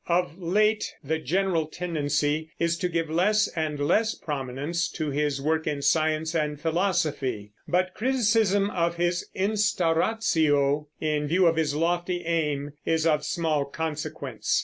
Of late the general tendency is to give less and less prominence to his work in science and philosophy; but criticism of his Instauratio, in view of his lofty aim, is of small consequence.